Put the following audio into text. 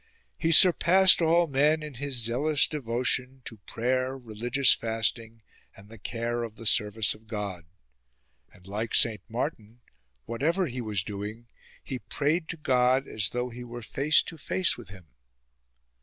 He sur passed all men in his zealous devotion to prayer, religious fasting and the care of the service of God ; and like Saint Martin, whatever he w^as doing, he prayed to God as though he were face to face with Him.